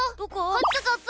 こっちこっち。